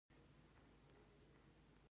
آیا "ساخت افغانستان" به افتخار وي؟